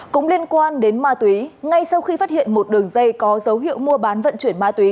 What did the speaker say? cũng liên quan đến ma túy ngay sau khi phát hiện một đường dây có dấu hiệu mua bán vận chuyển ma túy